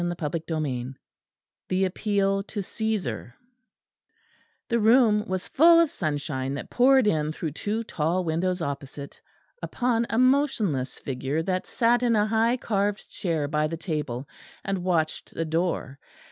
CHAPTER X THE APPEAL TO CÆSAR The room was full of sunshine that poured in through two tall windows opposite, upon a motionless figure that sat in a high carved chair by the table, and watched the door.